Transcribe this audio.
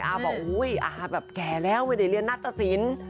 บอกอุ้ยอาแบบแก่แล้วไม่ได้เรียนนัตตสิน